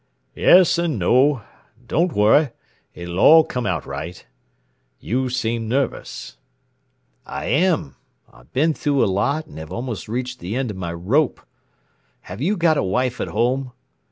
"Yes and no. Don't worry it'll all come out right. You seem nervous." "I am. I've been through a lot and have almost reached the end of my rope. Have you got a wife at home?"